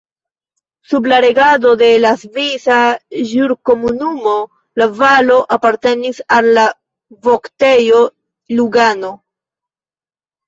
Sub la regado de la Svisa Ĵurkomunumo la valo apartenis al la Voktejo Lugano.